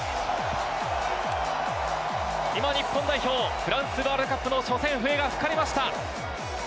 今、日本代表フランスワールドカップの初戦笛が吹かれました。